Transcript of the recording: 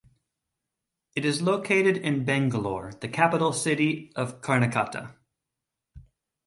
It is located in Bangalore, the capital city of Karnataka.